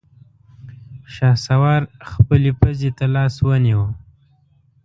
شهسوار خپلې پزې ته لاس ونيو.